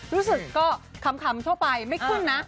รู้สึกก็ขำทั่วไปไม่ขึ้นนะ